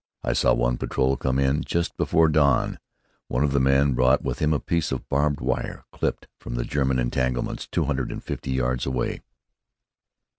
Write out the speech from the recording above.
I saw one patrol come in just before dawn. One of the men brought with him a piece of barbed wire, clipped from the German entanglements two hundred and fifty yards away.